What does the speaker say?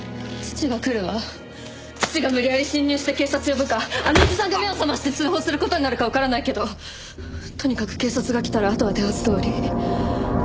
父が無理やり進入して警察を呼ぶかあのおじさんが目を覚まして通報する事になるかわからないけどとにかく警察が来たらあとは手筈どおり。